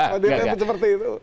pak dpr seperti itu